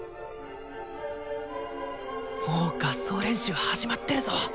もう合奏練習始まってるぞ。